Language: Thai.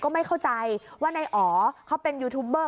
ไม่เข้าใจว่านายอ๋อเขาเป็นยูทูบเบอร์